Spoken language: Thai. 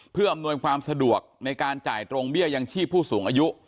เพื่ออำนวยความสะดวกในการจ่ายตรงเบี้ยยังชีพผู้สูงอายุ